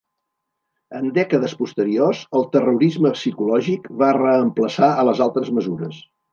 En dècades posteriors, el terrorisme psicològic va reemplaçar a les altres mesures.